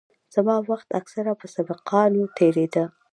زما وخت اکثره په سبقانو تېرېده.